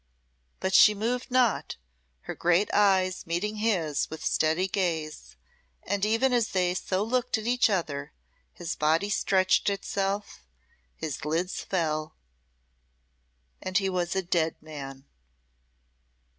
But she moved not, her great eyes meeting his with steady gaze; and even as they so looked at each other his body stretched itself, his lids fell and he was a dead man.